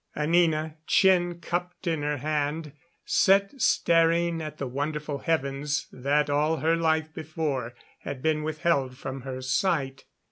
Anina, chin cupped in her hand, sat staring at the wonderful heavens that all her life before had been withheld from her sight.